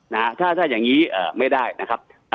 นะฮะถ้าถ้าอย่างนี้ไม่ได้นะครับ